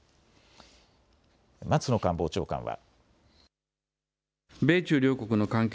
松野官房長官は。